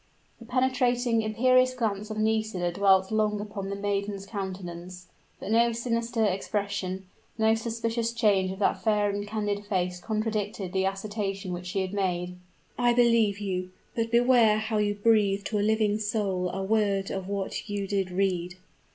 The penetrating, imperious glance of Nisida dwelt long upon the maiden's countenance; but no sinister expression no suspicious change on that fair and candid face contradicted the assertion which she had made. "I believe you; but beware how you breathe to a living soul a word of what you did read!"